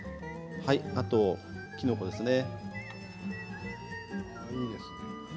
あと、きのこですね。